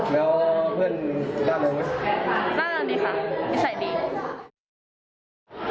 เห็นเขาช่วยแม่ครับก็ดีครับ